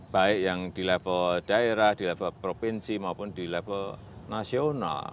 baik yang di level daerah di level provinsi maupun di level nasional